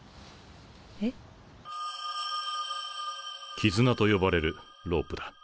キズナと呼ばれるロープだ。